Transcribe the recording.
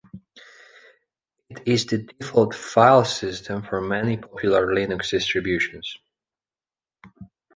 It is the default file system for many popular Linux distributions.